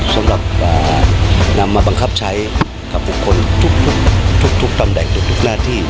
สำหรับนำมาบังคับใช้กับบุคคลทุกตำแหน่งทุกหน้าที่